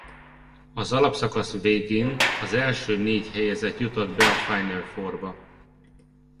Az alapszakasz végén az első négy helyezett jutott be a Final Fourba.